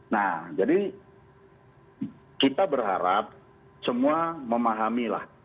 nah jadi kita berharap semua memahami lah